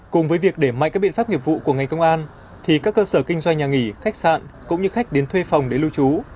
cùng với việc để mạnh các biện pháp nghiệp vụ của ngành công an thì các cơ sở kinh doanh nhà nghỉ khách sạn cũng như khách đến thuê phòng để lưu trú